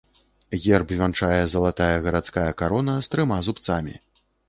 Герб вянчае залатая гарадская карона з трыма зубцамі.